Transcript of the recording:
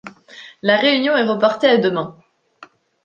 La réunion est reportée à demain.